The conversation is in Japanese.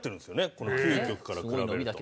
この９曲から比べると。